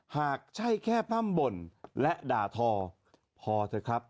หากใช่แค่พร่ำบ่นและด่าทอพอเถอะครับ